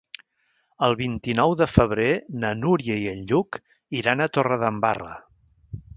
El vint-i-nou de febrer na Núria i en Lluc iran a Torredembarra.